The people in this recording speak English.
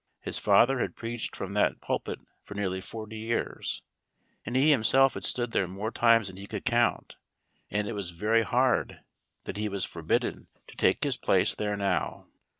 His father had preached from that pulpit for nearly forty years, and he himself had stood there more times than he could count, and it was very hard that he was forbidden to take his place there now.